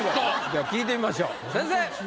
じゃあ聞いてみましょう先生！